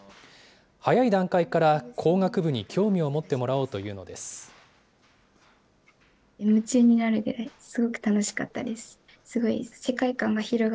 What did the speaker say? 早い段階から工学部に興味を持ってもらおうというのです。